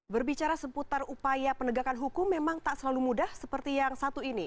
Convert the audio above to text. berbicara seputar upaya penegakan hukum memang tak selalu mudah seperti yang satu ini